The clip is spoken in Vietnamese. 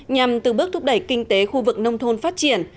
nhằm từ bước thúc đẩy kinh tế khu vực nông thôn phát triển